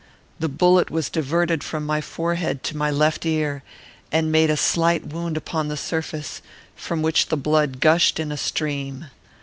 The bullet was diverted from my forehead to my left ear, and made a slight wound upon the surface, from which the blood gushed in a stream.